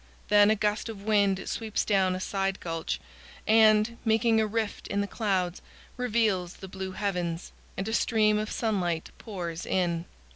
Then a gust of wind sweeps down a side gulch and, making a rift in the clouds, reveals the blue heavens, and a stream of sunlight pours in.